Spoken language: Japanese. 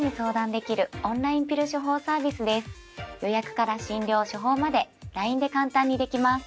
予約から診療処方までＬＩＮＥで簡単にできます。